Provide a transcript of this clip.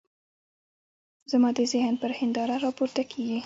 زما د ذهن پر هنداره را پورته کېږي.